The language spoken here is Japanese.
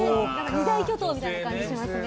二大巨塔みたいな感じがしますね。